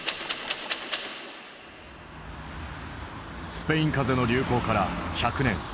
スペイン風邪の流行から１００年。